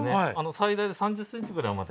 最大で３０ｃｍぐらいまで。